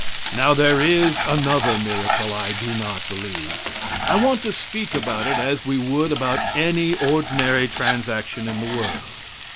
Now, there is another miracle I do not believe. I want to speak about it as we would about any ordinary transaction in the world.